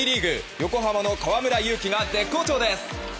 横浜の河村勇輝が絶好調です！